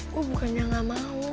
gua bukannya gak mau